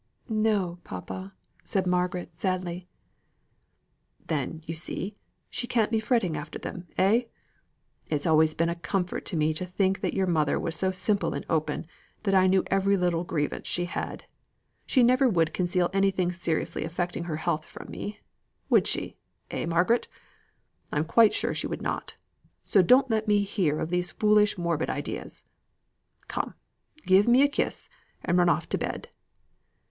"No, papa," said Margaret, sadly. "Then, you see, she can't be fretting after them, eh? It has always been a comfort to me to think that your mother was so simple and open that I knew every little grievance she had. She never would conceal anything seriously affecting her health from me: would she, eh, Margaret? I am quite sure she would not. So don't let me hear of these foolish morbid ideas. Come, give me a kiss, and run off to bed."